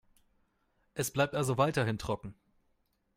Es bleibt also weiterhin trocken.